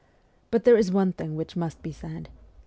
But there is one thing which must be said.